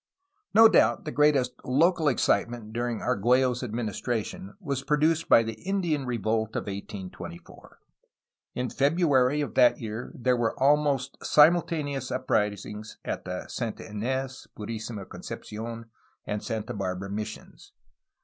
No doubt the greatest local excitement during Argliello's administration was produced by the Indian revolt of 1824. In February of that year there were almost simultaneous up risings at the Santa Ines, Purisima Concepci6n, and Santa Barbara missions.